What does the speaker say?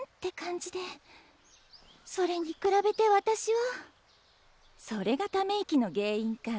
それに比べて私は。それがため息の原因か。